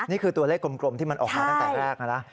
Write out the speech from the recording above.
นี่คือตัวเลขกลมที่มันออกมาตั้งแต่แรกนะ